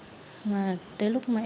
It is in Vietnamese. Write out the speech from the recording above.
tới lúc mà em không thể thấy